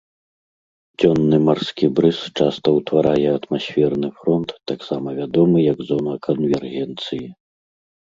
Дзённы марскі брыз часта ўтварае атмасферны фронт, таксама вядомы як зона канвергенцыі.